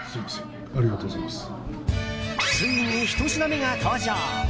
ついに１品目が登場。